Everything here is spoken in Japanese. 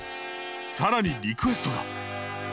更にリクエストが。